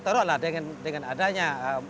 ya teruklah dengan adanya